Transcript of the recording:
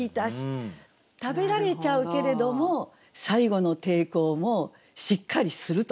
食べられちゃうけれども最後の抵抗もしっかりすると。